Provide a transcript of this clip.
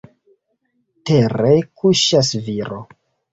Tere kuŝas viro.